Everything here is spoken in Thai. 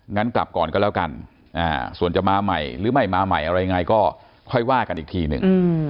งั้นกลับก่อนก็แล้วกันส่วนจะมาใหม่หรือไม่มาใหม่อะไรยังไงก็ค่อยว่ากันอีกทีหนึ่ง